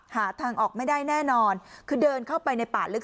หาทางออกไม่ได้แน่นอนคือเดินเข้าไปในป่าลึก